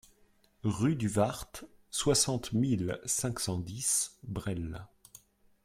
Rue du Wart, soixante mille cinq cent dix Bresles